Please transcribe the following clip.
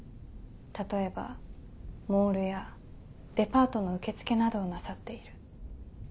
例えばモールやデパートの受付などをなさっている。